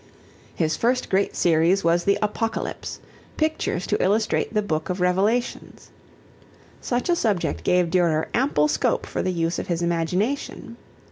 His first great series was the Apocalypse pictures to illustrate the book of Revelations. Such a subject gave Durer ample scope for the use of his imagination.